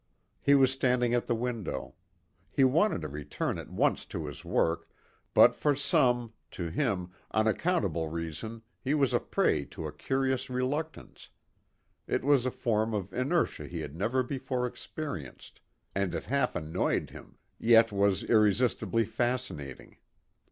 He was standing at the window. He wanted to return at once to his work, but for some, to him, unaccountable reason he was a prey to a curious reluctance; it was a form of inertia he had never before experienced, and it half annoyed him, yet was irresistibly fascinating.